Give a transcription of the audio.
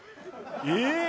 えっ！？